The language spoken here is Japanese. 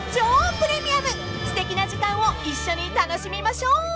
［すてきな時間を一緒に楽しみましょう！］